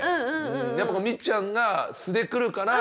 やっぱミチちゃんが素でくるから。